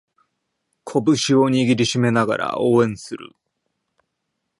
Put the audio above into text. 拳を握りしめながら応援する